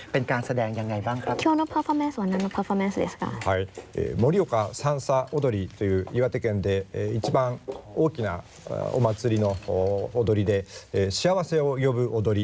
เป็นการแสดงยังไงบ้างครับ